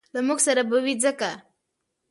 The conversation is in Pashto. له موږ سره به وي ځکه